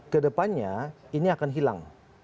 kedepannya ini akan hilang